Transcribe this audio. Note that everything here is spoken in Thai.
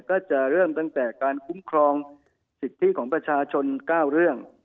ก็จะเริ่มตั้งแต่การคุ้มครองสิทธิของประชาชน๙เรื่อง